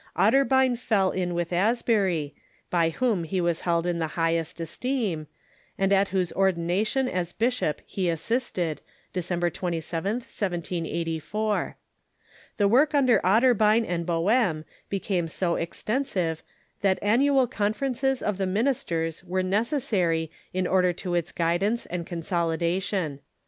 Otterbein OTHER DENOMINATIONS " 573 fell in with Asbury, by whom he was held in the highest es teem, and at whose ordination as bishop he assisted, Decem ber 27th, 1784. The work under Otterbein and Boehm be came so extensive that annual conferences of the ministers were necessary in order to its guidance and consolidation.